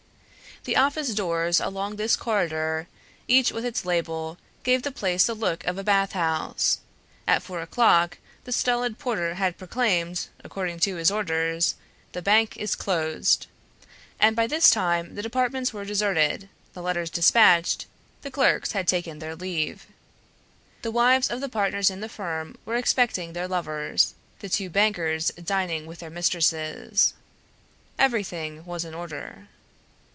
The office doors along this corridor, each with its label, gave the place the look of a bath house. At four o'clock the stolid porter had proclaimed, according to his orders, "The bank is closed." And by this time the departments were deserted, the letters dispatched, the clerks had taken their leave. The wives of the partners in the firm were expecting their lovers; the two bankers dining with their mistresses. Everything was in order.